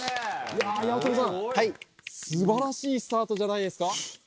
八乙女さん、すばらしいスタートじゃないですか。